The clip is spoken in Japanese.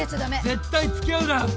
絶対付き合うな。